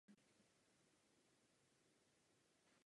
Věnuje se také psaní divadelních her.